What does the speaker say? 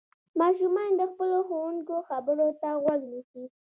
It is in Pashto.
ماشومان د خپلو ښوونکو خبرو ته غوږ نيسي.